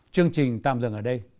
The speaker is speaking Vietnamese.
chương trình tạm dừng ở đây